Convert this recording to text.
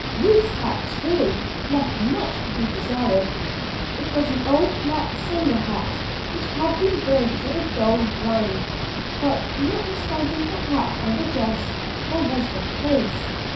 Ruth's hat, too, left much to be desired. It was an old black sailor hat, which had been burnt to a dull brown. But, notwithstanding the hat and the dress, there was the face.